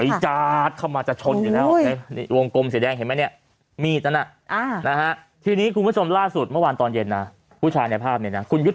ขอยจาดเข้ามาจะชนอยู่แล้วเฮ้ยนี่วงกลมสีแดงเห็นไหมเนี้ย